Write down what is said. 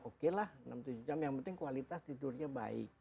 oke lah enam tujuh jam yang penting kualitas tidurnya baik